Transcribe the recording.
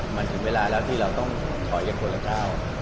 มันถึงเวลาแล้วที่เราต้องถอยกันคนละก้าว